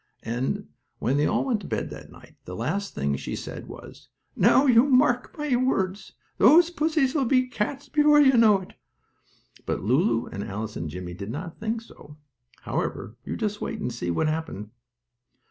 And, when they all went to bed that night, the last thing she said was: "Now, you mark my words! Those pussies will be cats before you know it." But Lulu and Alice and Jimmie did not think so. However you just wait and see what happened.